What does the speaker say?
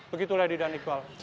begitulah di dan iqbal